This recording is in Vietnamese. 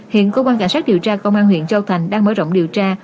hiện cơ quan cảnh sát điều tra công an huyện châu thành đang mở rộng điều tra